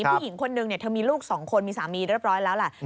ผู้หญิงคนนึงเธอมีลูก๒คนมีสามีเรียบร้อยแล้วแหละ